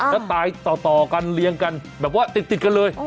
แล้วตายต่อกันเรียงกันแบบว่าติดกันเลย